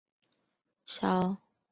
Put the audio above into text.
萧族部族回鹘裔。